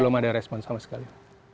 belum ada respon sama sekali